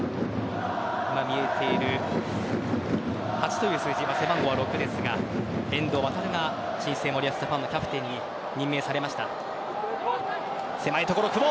今、見えている８という数字背番号は６ですが、遠藤航が新生森保ジャパンのキャプテンに任命されました。